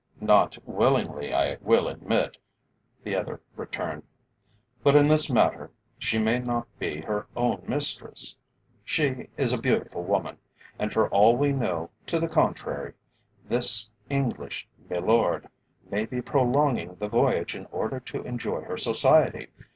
"Not willingly, I will admit," the other returned; "but in this matter she may not be her own mistress. She is a beautiful woman, and for all we know to the contrary, this English milord may be prolonging the voyage in order to enjoy her society.